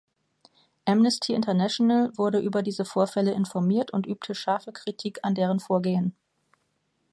Amnesty International wurde über diese Vorfälle informiert und übte scharfe Kritik an deren Vorgehen.